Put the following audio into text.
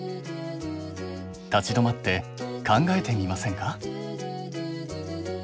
立ち止まって考えてみませんか？